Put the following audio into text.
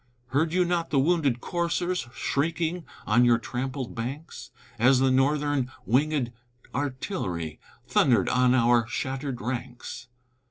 Heard you not the wounded coursers Shrieking on your trampled banks, As the Northern winged artillery Thundered on our shattered ranks!